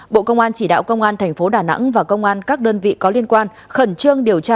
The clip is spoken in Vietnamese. bộ công an chỉ đạo công an thành phố đà nẵng và công an các đơn vị có liên quan khẩn trương điều tra